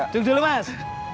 cukup dulu mas